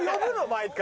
毎回。